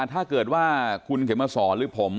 ถ้าเกิดว่าคุณเข็มมาสอนหรือผม